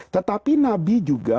tetapi nabi juga